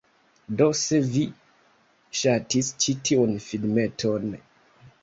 Do, se vi ŝatis ĉi tiun filmeton..